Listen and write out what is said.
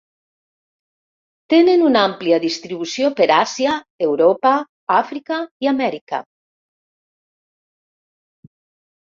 Tenen una àmplia distribució per Àsia, Europa, Àfrica i Amèrica.